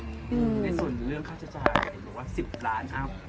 ในส่วนเรื่องค่าใช้จ่ายหรือว่า๑๐ล้านอัพ